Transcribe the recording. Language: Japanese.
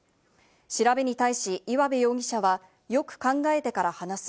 調べに対し、岩部容疑者はよく考えてから話す。